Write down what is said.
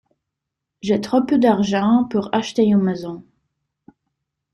J’ai trop peu d’argent pour acheter une maison.